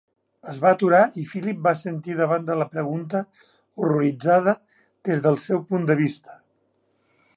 Es va aturar i Philip va assentir davant de la pregunta horroritzada des del seu punt de vista.